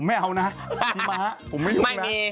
ผมไม่เอานะพี่ม้าผมไม่รู้นะ